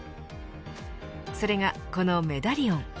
それがこのメダリオン。